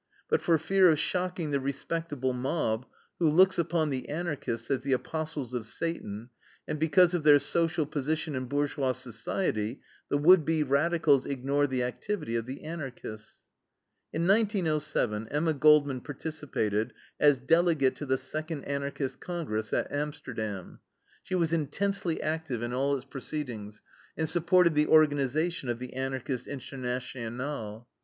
But for fear of shocking the respectable mob, who looks upon the Anarchists as the apostles of Satan, and because of their social position in bourgeois society, the would be radicals ignore the activity of the Anarchists. In 1907 Emma Goldman participated as delegate to the second Anarchist Congress, at Amsterdam. She was intensely active in all its proceedings and supported the organization of the Anarchist INTERNATIONALE.